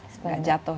supaya enggak jatuh